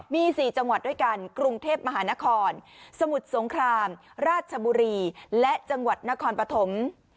มี๔จังหวัดด้วยกันกรุงเทพมหานครสมุทรสงครามราชบุรีและจังหวัดนครปฐม